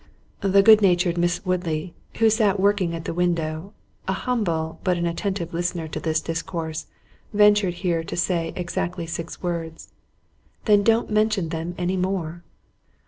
The good natured Miss Woodley, who sat working at the window, an humble, but an attentive listener to this discourse, ventured here to say exactly six words: "Then don't mention them any more."